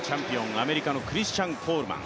アメリカのクリスチャン・コールマン。